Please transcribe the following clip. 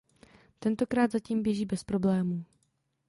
Tentokrát zatím běží bez problémů.